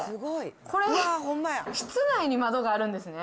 室内に窓があるんですね。